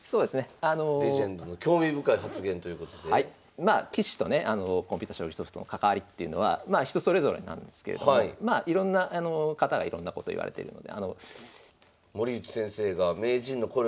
まあ棋士とねコンピュータ将棋ソフトの関わりっていうのは人それぞれなんですけれどもまあいろんな方がいろんなこと言われてるので。